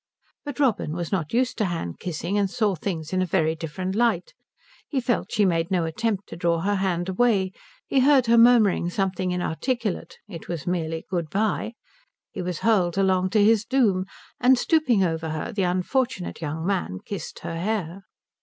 But Robin was not used to hand kissing and saw things in a very different light. He felt she made no attempt to draw her hand away, he heard her murmuring something inarticulate it was merely Good bye he was hurled along to his doom; and stooping over her the unfortunate young man kissed her hair.